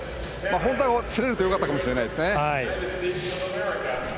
本当は競れると良かったかもしれないですね。